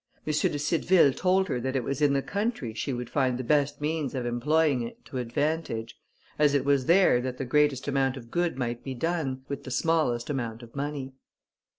M. de Cideville told her that it was in the country she would find the best means of employing it to advantage, as it was there that the greatest amount of good might be done, with the smallest amount of money.